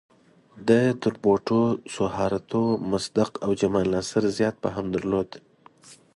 ده تر بوټو، سوهارتو، مصدق او جمال ناصر زیات فهم درلود.